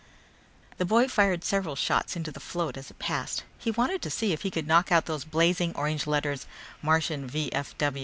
The boy fired several shots into the float as it passed. He wanted to see if he could knock out those blazing orange letters: MARTIAN V.